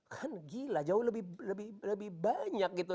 kan gila jauh lebih banyak gitu